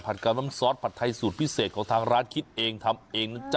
กับน้ำซอสผัดไทยสูตรพิเศษของทางร้านคิดเองทำเองนะจ๊ะ